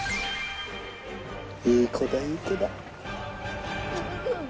いい子だいい子だ。